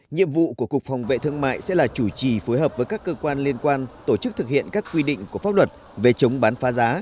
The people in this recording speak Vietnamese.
nhiệm vụ của cục phòng vệ thương mại sẽ là chủ trì phối hợp với các cơ quan liên quan tổ chức thực hiện các quy định của pháp luật về chống bán phá giá